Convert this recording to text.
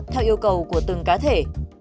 theo yêu cầu của từng cá thể